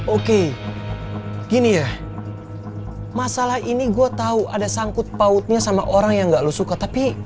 oke gini ya masalah ini gue tahu ada sangkut pautnya sama orang yang gak lo suka tapi